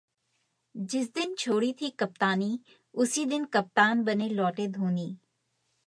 जिस दिन छोड़ी थी कप्तानी, उसी दिन 'कप्तान' बन लौटे धोनी!